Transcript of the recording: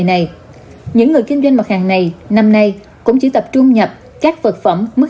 nãy giờ em đợi cũng một mươi năm phút rồi